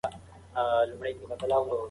کوچني خوښۍ د ورځني ژوند فشار کموي.